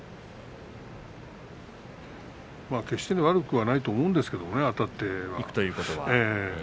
決して悪くはないと思うんですけどねあたっていくということは。